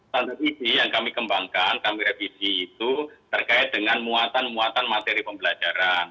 standar isi yang kami kembangkan kami revisi itu terkait dengan muatan muatan materi pembelajaran